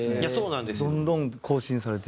どんどん更新されていく。